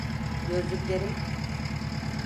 Gözlüklerim…